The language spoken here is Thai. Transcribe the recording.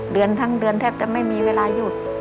เดือนทั้งเดือนแทบจะไม่มีเวลาหยุด